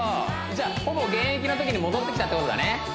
じゃあほぼ現役のときに戻ってきたってことだね？